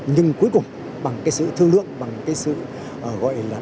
nhưng cuối cùng bằng sự thương lượng bằng sự gọi là